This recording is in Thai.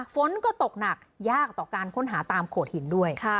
ฝนก็ตกหนักยากต่อการค้นหาตามโขดหินด้วย